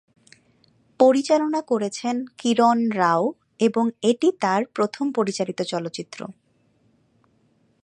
পরিচালনা করেছেন কিরণ রাও, এবং এটি তার প্রথম পরিচালিত চলচ্চিত্র।